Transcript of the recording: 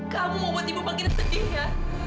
kamu mau buat ibu panggilnya sedih ya